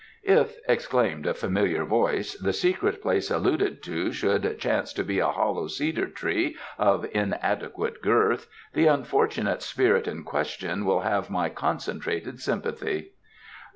"If," exclaimed a familiar voice, "the secret place alluded to should chance to be a hollow cedar tree of inadequate girth, the unfortunate spirit in question will have my concentrated sympathy."